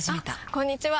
あこんにちは！